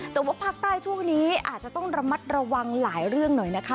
แต่ว่าภาคใต้ช่วงนี้อาจจะต้องระมัดระวังหลายเรื่องหน่อยนะคะ